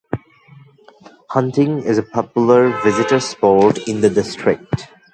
Hunting is a popular visitor sport in the district.